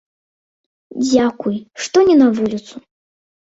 Дзякуй, што не на вуліцу.